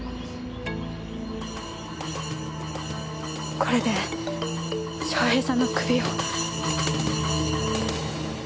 これで翔平さんの首を。